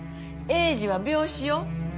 栄治は病死よ。